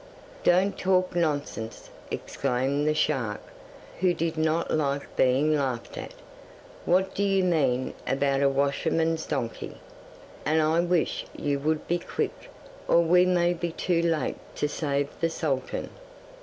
'Don't talk nonsense,' exclaimed the shark, who did not like being laughed at. 'What do you mean about a washerman's donkey? And I wish you would be quick, or we may be too late to save the sultan.